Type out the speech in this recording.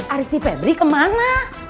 ariefi pedri kemana